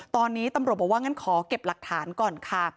ตอนนี้ตำรวจบอกว่างั้นขอเก็บหลักฐานก่อนค่ะ